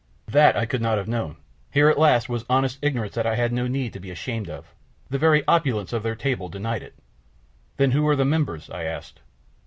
That I could not have known, here at last was honest ignorance that I had no need to be ashamed of, the very opulence of their table denied it. "Then who are the members?" I asked.